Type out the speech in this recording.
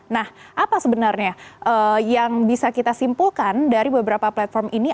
nah apa sebenarnya yang bisa kita simpulkan dari beberapa platform ini